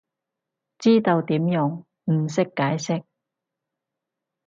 知道點用，唔識解釋